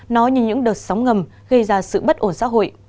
nó như những đợt sóng ngầm gây ra sự bất ổn xã hội